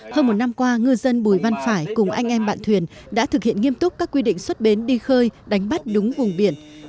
hơn một năm qua ngư dân bùi văn phải cùng anh em bạn thuyền đã thực hiện nghiêm túc các quy định xuất bến đi khơi đánh bắt đúng vùng biển